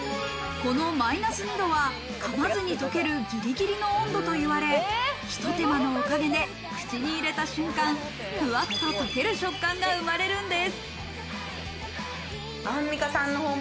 このマイナス２度は噛まずに溶けるぎりぎりの温度と言われ、ひと手間のおかげで口に入れた瞬間、ふわっと溶ける食感が生まれるんです。